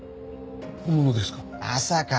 本物ですか？